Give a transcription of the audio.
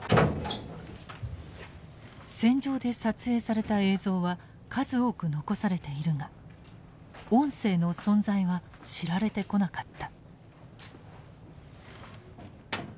戦場で撮影された映像は数多く残されているが音声の存在は知られてこなかった。